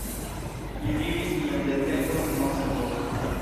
Li vivis iom de tempo en Moskvo.